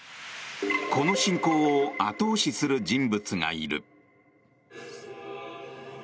この侵攻を後押しする人物がいる。